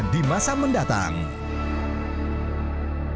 di masa mendatangnya